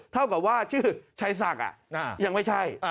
เท่ากับว่าชื่อชัยศักดิ์ยังไม่ใช่